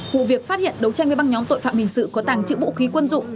vụ việc phát hiện đấu tranh với băng nhóm tội phạm hình sự có tàng trữ vũ khí quân dụng